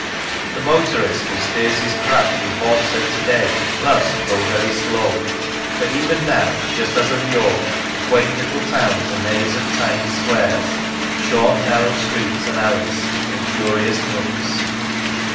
The 169 Y Lancashire motorist who steers his craft through Hawkshead to day must " go very slow," for even now, just as of yore, the quaint little town is a maze of tiny squares, short narrow streets and alleys, and curious nooks.